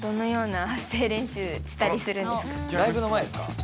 ライブの前ですか。